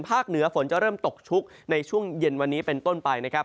เหนือฝนจะเริ่มตกชุกในช่วงเย็นวันนี้เป็นต้นไปนะครับ